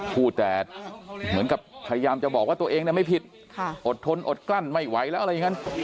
พูดแต่เหมือนกับพยายามจะบอกว่าตัวเองไม่ผิดอดทนอดกลั้นไม่ไหวแล้วอะไรอย่างนั้น